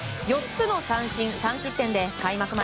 ４つの三振、３失点で開幕